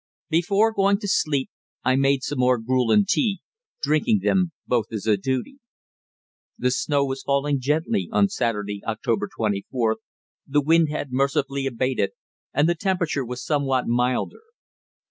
Before going to sleep I made some more gruel and tea, drinking them both as a duty. The snow was falling gently on Saturday (October 24th), the wind had mercifully abated, and the temperature was somewhat milder.